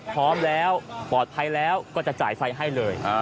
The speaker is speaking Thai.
พร้อมแล้วปลอดภัยแล้วก็จะจ่ายไฟให้เลย